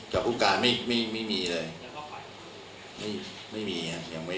อ๋อไม่จากผู้การไม่ไม่ไม่มีเลยไม่ไม่มีครับยังไม่